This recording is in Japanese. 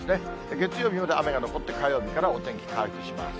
月曜日まで雨が残って、火曜日からお天気回復します。